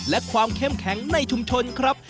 และความเข้มแข็งในชุมชนครับ